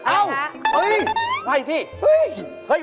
เอ้าไอ้เว่ยพี่เห้ย